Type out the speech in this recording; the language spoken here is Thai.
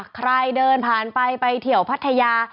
ใครเดินผ่านไปไปเที่ยวพัทยา